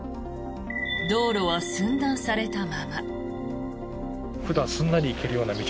道路は寸断されたまま。